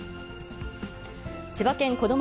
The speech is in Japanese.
千葉県こども